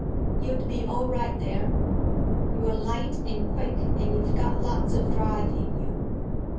You'd be all right there. You're light and quick and you've got lots of drive in you.